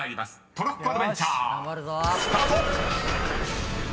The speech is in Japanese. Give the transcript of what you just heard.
トロッコアドベンチャースタート！］